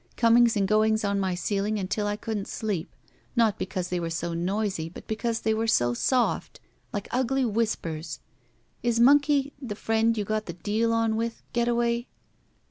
Comings and goings on my ceiling until I couldn't sleep, not because they were so noisy, but because they were so soft. Like ugly whispers. Is Monkey the friend you got the deal on with, Getaway?"